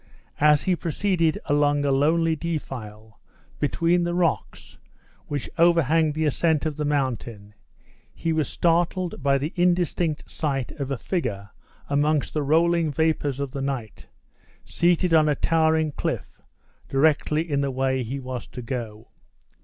As he proceeded along a lonely defile between the rocks which overhang the ascent of the mountain, he was startled by the indistinct sight of a figure amongst the rolling vapors of the night, seated on a towering cliff directly in the way he was to go.